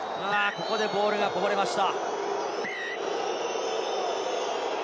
ここでボールがこぼれました。